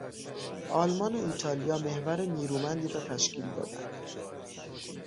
آلمان و ایتالیا محور نیرومندی را تشکیل دادند.